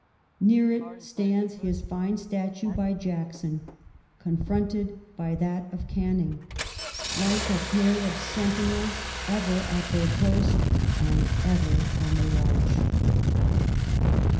. Near it stands his fine statue by Jackson^ confronted by that of Oanniug ; like a pair of sentinels, ever at their post, and ever on the watch.